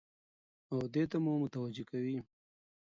او دې ته مو متوجه کوي